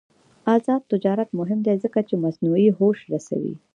آزاد تجارت مهم دی ځکه چې مصنوعي هوش رسوي.